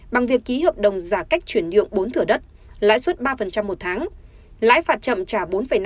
bằng việc ký hợp đồng giả cách chuyển nhượng bốn thửa đất lãi suất ba một tháng lãi phạt chậm trả bốn năm